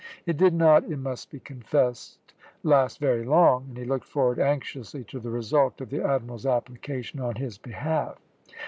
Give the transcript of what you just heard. It did not, it must be confessed, last very long, and he looked forward anxiously to the result of the Admiral's application on his behalf.